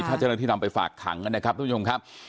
ถ้าเจ้าหน้าที่นำไปฝากขังนะครับทุกผู้ชมครับ